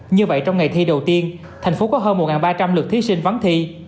như vậy trong ngày thi đầu tiên thành phố có hơn một ba trăm linh lượt thí sinh vắng thi